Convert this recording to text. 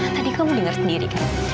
tadi kamu denger sendiri kan